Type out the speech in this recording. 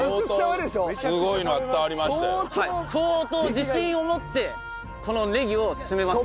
相当自信を持ってこのねぎを勧めます。